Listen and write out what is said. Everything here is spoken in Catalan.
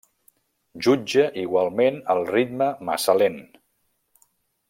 Jutja igualment el ritme massa lent.